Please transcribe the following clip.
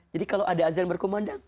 jadi kalau ada azan berkumandang